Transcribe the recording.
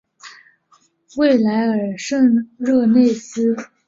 维莱尔圣热内斯。